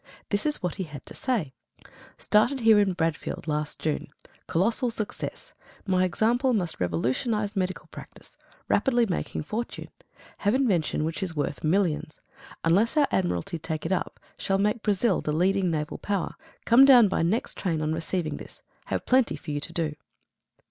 This is what he had to say: "Started here in Bradfield last June. Colossal success. My example must revolutionise medical practice. Rapidly making fortune. Have invention which is worth millions. Unless our Admiralty take it up shall make Brazil the leading naval power. Come down by next train on receiving this. Have plenty for you to do."